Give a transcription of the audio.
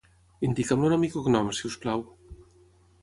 Indica'm el nom i cognoms, si us plau.